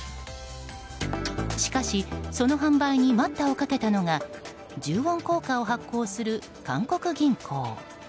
しかし、その販売に待ったをかけたのが１０ウォン硬貨を発行する韓国銀行。